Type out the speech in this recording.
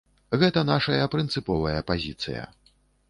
Гэта нашая прынцыповая пазіцыя.